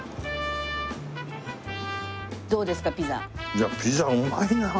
いやピザうまいな。